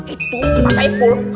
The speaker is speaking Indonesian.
itu mas haipul